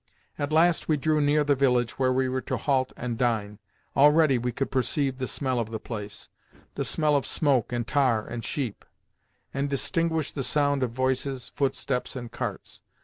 At last we drew near the village where we were to halt and dine. Already we could perceive the smell of the place—the smell of smoke and tar and sheep—and distinguish the sound of voices, footsteps, and carts.